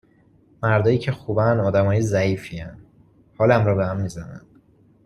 مردایی که خوبن، آدمای ضعیفین، حالم رو بهم می زنن